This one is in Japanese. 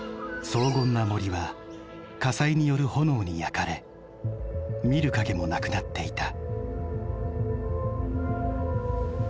荘厳な森は火災による炎に焼かれ見る影もなくなっていた。